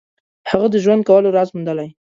هغه د ژوند کولو راز موندلی.